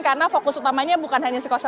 karena fokus utamanya bukan hanya psikososial